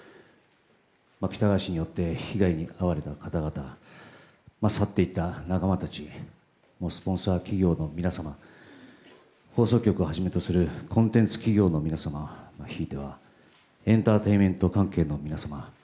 喜多川氏によって被害に遭われた方々去っていった仲間たちスポンサー企業の皆様放送局をはじめとするコンテンツ企業の皆様ひいてはエンターテインメント関係の皆様